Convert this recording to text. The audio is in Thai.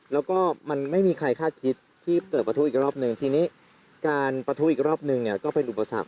แล้วก็มันไม่มีใครคาดคิดที่เปิดประทุอีกรอบนึงทีนี้การประทุอีกรอบนึงเนี่ยก็เป็นอุปสรรค